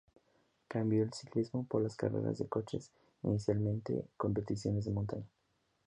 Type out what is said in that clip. Cambió el ciclismo por las carreras de coches, inicialmente en competiciones de montaña.